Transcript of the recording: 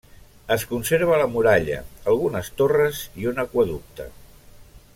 Es conserva la muralla, algunes torres i un aqüeducte.